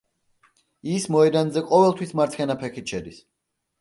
ის მოედანზე ყოველთვის მარცხენა ფეხით შედის.